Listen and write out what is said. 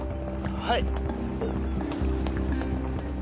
はい。